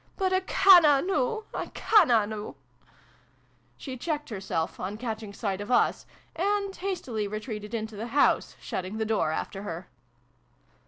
" But a' canna noo ! A' canna noo !" She checked herself, on catching sight of us, and hastily retreated into the house, shutting the door after her.